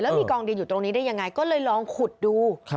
มีกองดินอยู่ตรงนี้ได้ยังไงก็เลยลองขุดดู